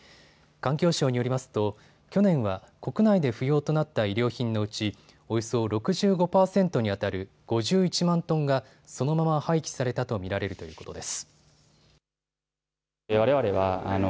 環境省によりますと去年は国内で不要となった衣料品のうちおよそ６５％にあたる５１万トンがそのまま廃棄されたと見られるということです。